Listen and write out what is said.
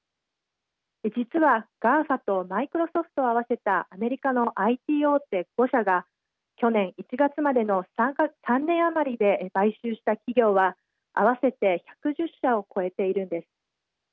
実はＧＡＦＡとマイクロソフトを合わせたアメリカのＩＴ大手５社が去年１月までの３年余りで買収した企業は合わせて１１０社を超えているんです。